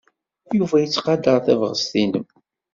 Yuba yettqadar tabɣest-nnem.